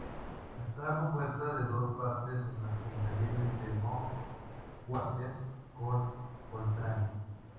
Esta compuesta de dos partes en las que intervienen the Monk Quartet con Coltrane.